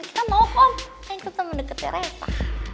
kita mau om ikut temen deketnya reva